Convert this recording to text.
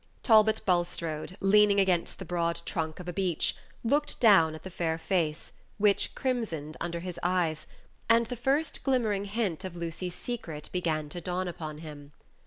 Talbot Bulstrode, leaning against the broad trunk of a beech, looked down at the fair face, which crimsoned under his eyes, and the first glimmering hint of Lucy's secret began to dawn upon him.